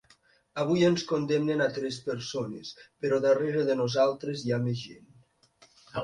Avui ens condemnen a tres persones, però darrere de nosaltres hi ha més gent.